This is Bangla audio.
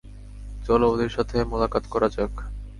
চলো, ওদের সাথে মোলাকাত করা যাক।